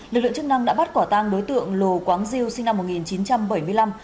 lực lượng chức năng đã bắt quả tang đối tượng lồ quá diêu sinh năm một nghìn chín trăm bảy mươi năm